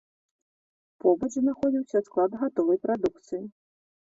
Побач знаходзіўся склад гатовай прадукцыі.